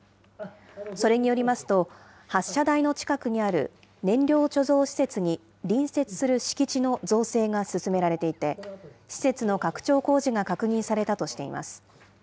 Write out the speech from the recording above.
それによりますと、発射台の近くにある燃料貯蔵施設に隣接する敷地の造成が進められていて、施設の拡張工事が確認されたとしています。